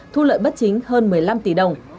thu lợi bất chính hơn một mươi năm tỷ đồng